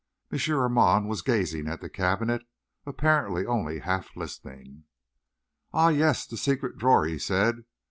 M. Armand was gazing at the cabinet, apparently only half listening. "Ah, yes, the secret drawer," he said.